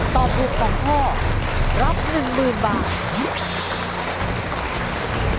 ตอบถูก๒ข้อรับ๑๐๐๐บาท